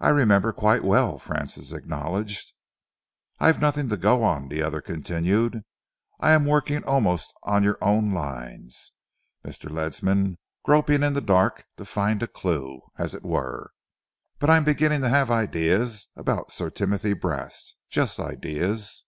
"I remember quite well," Francis acknowledged. "I've nothing to go on," the other continued. "I am working almost on your own lines, Mr. Ledsam, groping in the dark to find a clue, as it were, but I'm beginning to have ideas about Sir Timothy Brast, just ideas."